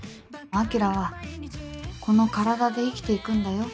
晶はこの体で生きていくんだよ。